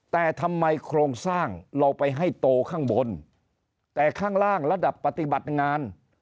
แต่ทำไมโครงสร้างเราไปให้โตข้างบนแต่ข้างล่างระดับปฏิบัติงาน